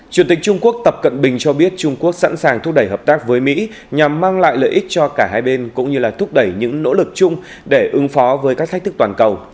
chủ tịch trung quốc tập cận bình cho biết trung quốc sẵn sàng thúc đẩy hợp tác với mỹ nhằm mang lại lợi ích cho cả hai bên cũng như là thúc đẩy những nỗ lực chung để ứng phó với các thách thức toàn cầu